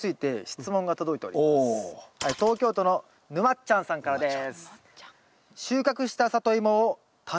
東京都のぬまっちゃんさんからです。